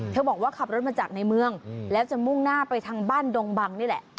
บอกว่าขับรถมาจากในเมืองแล้วจะมุ่งหน้าไปทางบ้านดงบังนี่แหละ